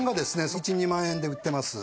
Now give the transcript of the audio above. １２万円で売ってます。